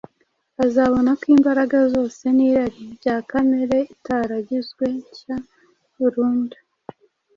azabona ko imbaraga zose n’irari bya kamere itaragizwe nshya burundu